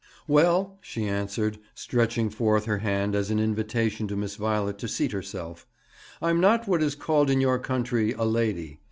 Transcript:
'Well,' she answered, stretching forth her hand as an invitation to Miss Violet to seat herself, 'I'm not what is called in your country a lady.